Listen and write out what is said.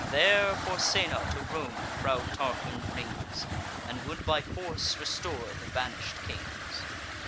There, Porsena to Rome proud Tarquin brings, And would by force restore the banish'd kings.